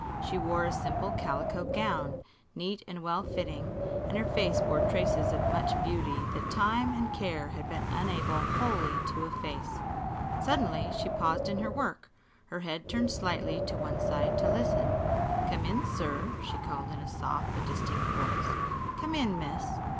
She wore a simple calico gown, neat and well fitting, and her face bore traces of much beauty that time and care had been unable wholly to efface. Suddenly she paused in her work, her head turned slightly to one side to listen. "Come in, sir," she called in a soft but distinct voice; "come in, miss."